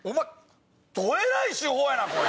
どえらい手法やなこれ！